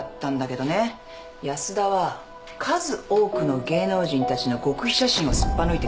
安田は数多くの芸能人たちの極秘写真をすっぱ抜いてきた。